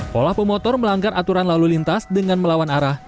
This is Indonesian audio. pola pemotor melanggar aturan lalu lintas dengan melawan arah